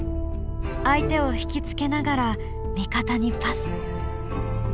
相手を引き付けながら味方にパス。